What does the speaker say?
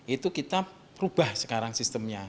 itu kita ubah sekarang sistemnya